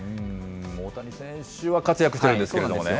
大谷選手は活躍しているんですけどもね。